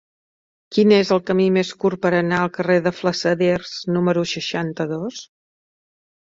Quin és el camí més curt per anar al carrer de Flassaders número seixanta-dos?